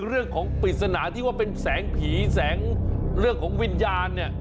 เรื่องของปริศนาที่ว่าเป็นแสงผีแสงเรื่องของวิญญาณเนี่ย